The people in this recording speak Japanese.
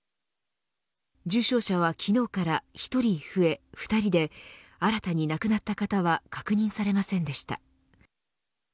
重症者は昨日から１人増え２人で新たに亡くなった方は確認されませんでした。